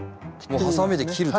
もうハサミで切ると。